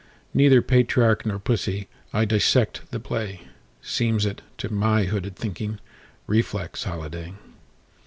Neither patriarch nor pussy,I dissect the play; Seems it, to my hooded thinking, Reflex holiday.